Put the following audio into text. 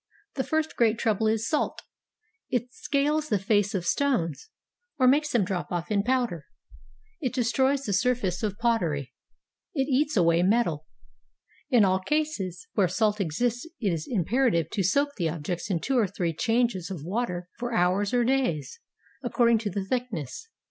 The first great trouble is salt; it scales the face of stones, or makes them drop off in powder; it destroys the surface of pottery; it eats away metal. In all cases where salt exists it is imperative to soak the objects in two or three changes of water for hours or days, accord ing to the thickness.